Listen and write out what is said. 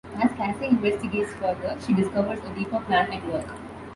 As Casey investigates further, she discovers a deeper plan at work.